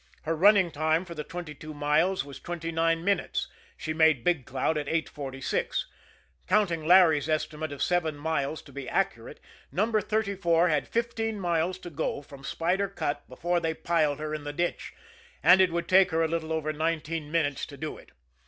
Her running time for the twenty two miles was twenty nine minutes she made Big Cloud at 8.46. Counting Larry's estimate of seven miles to be accurate, No. 34 had fifteen miles to go from Spider Cut before they piled her in the ditch, and it would take her a little over nineteen minutes to do it.